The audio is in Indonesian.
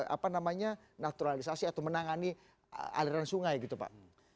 apa namanya naturalisasi atau menangani aliran sungai gitu pak